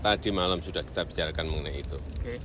tadi malam sudah kita bicarakan mengenai itu